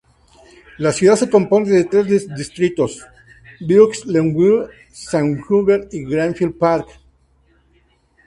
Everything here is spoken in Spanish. La ciudad se compone de tres distritos: Vieux-Longueuil, Saint-Hubert y Greenfield Park.